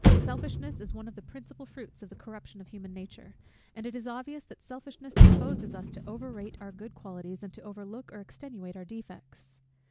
Selfishness is one of the principal fruits of the corruption of human nature; and it is obvious that selfishness disposes us to over rate our good qualities, and to overlook or extenuate our defects.